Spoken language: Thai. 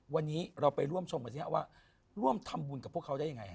วันนี้เราไปร่วมชมกันสิฮะว่าร่วมทำบุญกับพวกเขาได้ยังไงฮ